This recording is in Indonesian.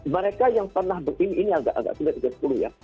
mereka yang pernah ini agak sudah tiga puluh ya